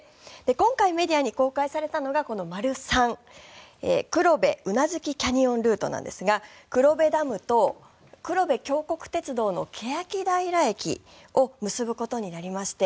今回メディアに公開されたのが丸３黒部宇奈月キャニオンルートなんですが黒部ダムと黒部峡谷鉄道の欅平駅を結ぶことになりまして